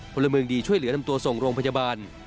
พลเมืองดีช่วยเหลือนำตัวส่งโรงพยาบาล